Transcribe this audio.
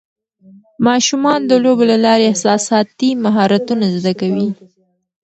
ماشومان د لوبو له لارې احساساتي مهارتونه زده کوي.